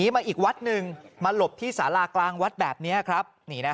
มาหลบที่สาลากลางวัดแบบนี้ครับ